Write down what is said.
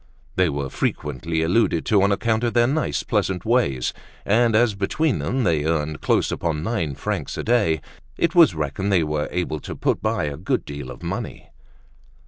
They were frequently alluded to on account of their nice, pleasant ways; and as between them they earned close upon nine francs a day, it was reckoned that they were able to put by a good deal of money.